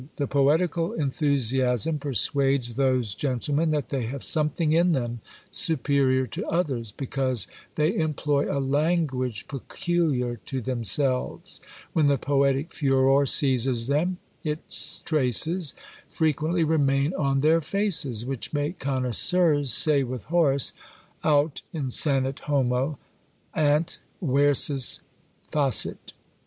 The poetical enthusiasm persuades those gentlemen that they have something in them superior to others, because they employ a language peculiar to themselves. When the poetic furor seizes them, its traces frequently remain on their faces, which make connoisseurs say with Horace, Aut insanit homo, ant versus facit.